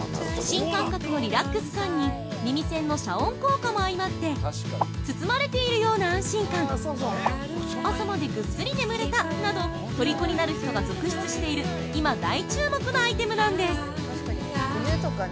新感覚のリラックス感に耳栓の遮音効果も相まって「包まれているような安心感」「朝までぐっすり眠れた」などとりこになる人が続出している今、大注目のアイテムなんです。